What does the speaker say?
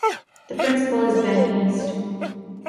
The principal is Ben East.